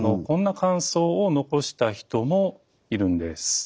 こんな感想を残した人もいるんです。